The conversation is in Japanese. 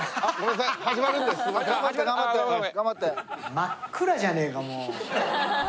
真っ暗じゃねえかもう。